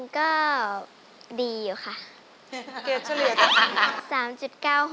ก็ดีอยู่ค่ะ